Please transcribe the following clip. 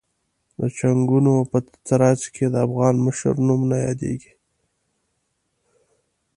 د جنګونو په ترڅ کې د افغان مشر نوم نه یادېږي.